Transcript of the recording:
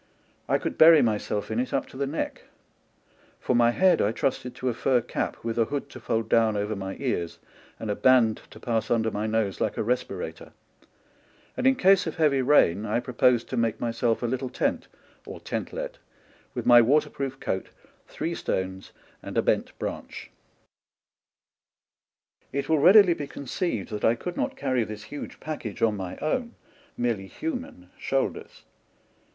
I could bury myself in it up to the neck ; for my head I trusted to a fur cap, with a hood to fold down over my ears and a band to pass under my nose like a re spirator ; and in case of heavy rain I pro posed to make myself a little tent, or tentlet, with my waterproof coat, three stones, and a bent branch. It will readily be conceived that I could not carry this huge package on my own, merely human, shoulders.